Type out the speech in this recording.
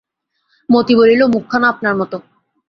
মতি বলিল, মুখখানা আপনার মতো।